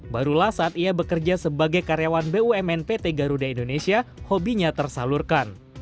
barulah saat ia bekerja sebagai karyawan bumn pt garuda indonesia hobinya tersalurkan